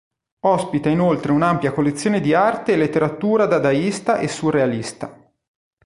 Ospita inoltre un'ampia collezione di arte e letteratura dadaista e surrealista.